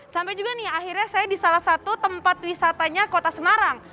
sampai juga nih akhirnya saya di salah satu tempat wisatanya kota semarang